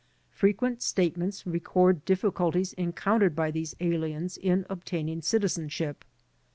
* Frequent statements record difficulties encoim tered by these aliens in obtaining citizenship.